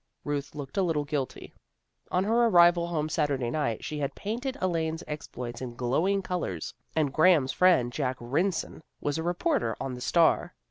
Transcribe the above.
" Ruth looked a little guilty. On her arrival home Saturday night, she had painted Elaine's exploit in glowing colors, and Graham's friend, Jack Rynson, was a reporter on the Star.